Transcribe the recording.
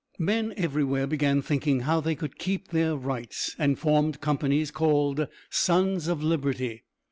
Men everywhere began thinking how they could keep their rights, and formed companies called "Sons of Liberty."